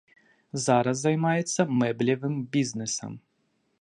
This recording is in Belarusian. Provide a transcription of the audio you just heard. Зараз займаецца мэблевым бізнэсам.